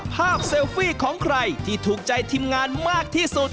เซลฟี่ของใครที่ถูกใจทีมงานมากที่สุด